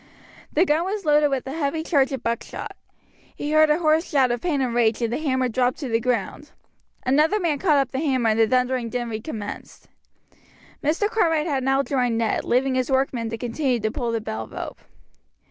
The gun was loaded with a heavy charge of buckshot. He heard a hoarse shout of pain and rage, and the hammer dropped to the ground. Another man caught up the hammer and the thundering din recommenced. Mr. Cartwright had now joined Ned, leaving his workmen to continue to pull the bell rope.